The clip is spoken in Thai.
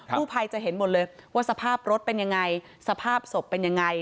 ผู้ภัยจะเห็นหมดเลยว่าสภาพรถเป็นยังไงสภาพศพเป็นยังไง